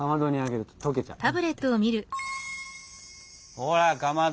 ほらかまど！